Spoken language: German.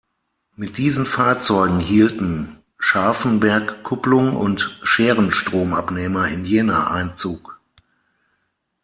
Mit diesen Fahrzeugen hielten Scharfenbergkupplung und Scherenstromabnehmer in Jena Einzug.